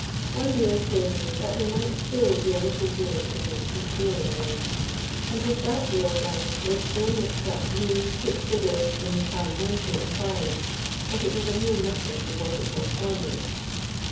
One dealer told me that there might still be a little doing in the "restoring" way, and with that way of life were still mixed up names which figured in the parliamentary inquiry, but it was a mere nothing to what it was formerly.